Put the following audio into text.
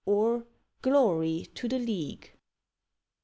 or, "Glory to the League!"